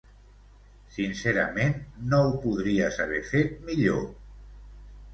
Sincerament, no ho podries haver fet millor.